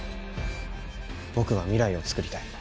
僕は未来をつくりたい。